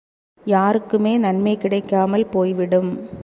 யாருக்குமே நன்மை கிடைக்காமல் போய்விடும்.